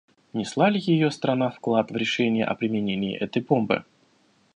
Внесла ли ее страна вклад в решение о применении этой бомбы?